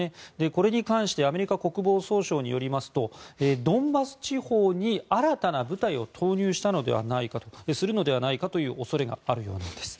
これに関してアメリカ国防総省によりますとドンバス地方に新たな部隊を投入したのではないかとするのではないかという恐れがあるようなんです。